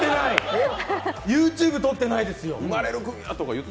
ＹｏｕＴｕｂｅ撮ってないですよ。